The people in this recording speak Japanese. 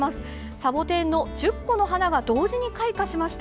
サボテンの１０個の花が同時に開花しました。